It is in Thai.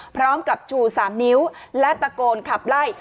พร้อมกับชู๓นิ้วและตะโกนขับไล่